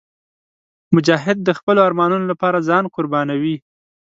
مجاهد د خپلو ارمانونو لپاره ځان قربانوي.